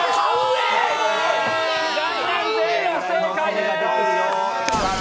全員、不正解です！